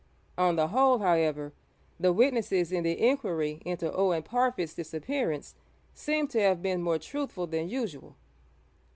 On the whole, however, the witnesses in the inquiry into Owen Parfitt's disappearance seem to have been more truthful than usual.